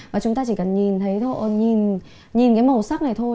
và chúng ta chỉ cần nhìn thấy thôi nhìn cái màu sắc này thôi